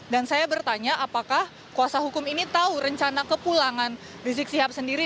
dan saya bertanya apakah kuasa hukum ini tahu rencana kepulangan rizik sihab sendiri